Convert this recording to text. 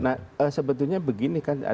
nah sebetulnya begini kan